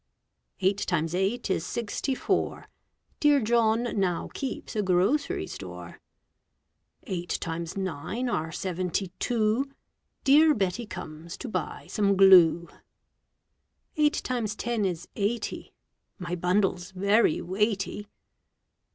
Eight times eight is sixty four. Dear John now keeps a grocery store. Eight times nine are seventy two. Dear Betty comes to buy some glue. Eight times ten is eighty. My bundle's very weighty.